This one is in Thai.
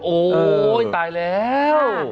โอ๊ยตายแล้ว